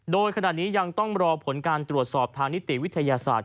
โดยขณะนี้ยังต้องรอผลการตรวจสอบทางนิติวิทยาศาสตร์